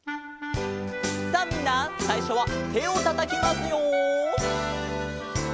さあみんなさいしょはてをたたきますよ。